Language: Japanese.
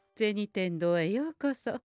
天堂へようこそ。